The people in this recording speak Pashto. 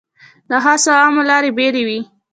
د خاصو او عامو لارې بېلې وې.